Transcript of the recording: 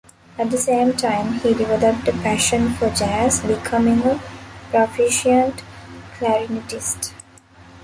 At the same time, he developed a passion for jazz, becoming a proficient clarinetist.